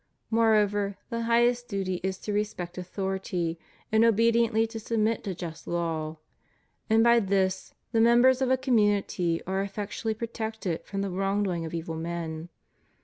Moreover, the highest duty is to respect authority, and obediently to submit to just law; and by this the men bers of a community are effectually protected from the wrongdoing of evil men.